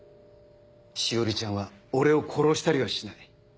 詩織ちゃんは俺を殺したりはしない。